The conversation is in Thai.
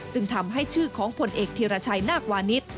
จึงทำให้ชื่อของผลเอกธีรชัยนาควานิส